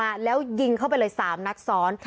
อายุก็เยอะกว่าด้วย